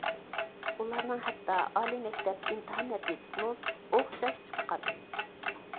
ئۇلارنىڭ ھەتتا ئالىي مەكتەپ ئىمتىھان نەتىجىسىمۇ ئوخشاش چىققان.